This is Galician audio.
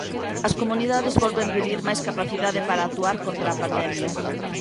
As comunidades volven pedir máis capacidade para actuar contra a pandemia.